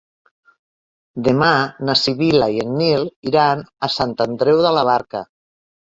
Demà na Sibil·la i en Nil iran a Sant Andreu de la Barca.